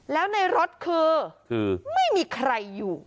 แล้วในรถคือไม่มีใครอยู่